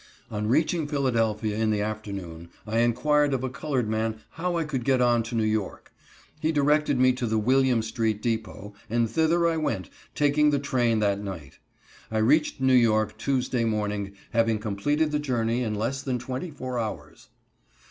On reaching Philadelphia in the afternoon, I inquired of a colored man how I could get on to New York. He directed me to the William street depot, and thither I went, taking the train that night. I reached New York Tuesday morning, having completed the journey in less than twenty four hours.